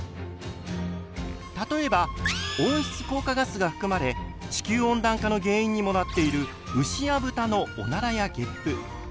例えば温室効果ガスが含まれ地球温暖化の原因にもなっている牛や豚のおならやげっぷ。